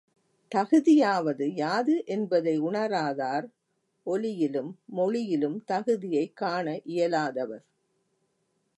தகுதியாவது யாது என்பதை உணராதார், ஒலியிலும் மொழியிலும் தகுதியைக் காண இயலாதவர்.